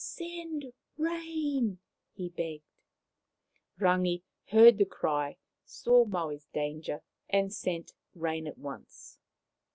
" Send rain," he begged. Rangi heard the cry, saw Maui's danger, and sent rain at once.